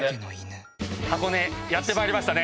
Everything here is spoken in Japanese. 箱根やってまいりました。